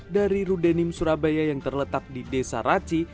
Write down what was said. dari rudenim surabaya yang terletak di desa raci